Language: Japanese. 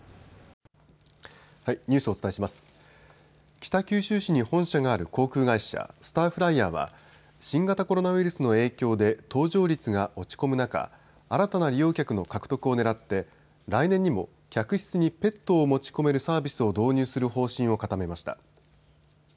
北九州市に本社がある航空会社スターフライヤーは新型コロナウイルスの影響で搭乗率が落ち込む中、新たな利用客の獲得をねらって来年にも客室にペットを持ち込めるサービスを導入する方針を固めました。